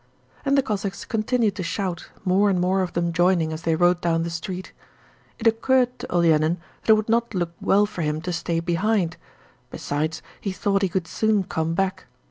And the Cossacks continued to shout, more and more of them joining as they rode down the street. It occurred to Olenin that it would not look well for him to stay behind; besides he thought he could soon come back.